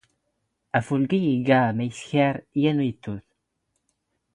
ⴰⴼⵓⵍⴽⵉ ⵉⴳⴰ ⵎⴰ ⵉⵙⴽⴰⵔ ⵢⴰⵏ ⵉⵜⵜⵓ ⵜ.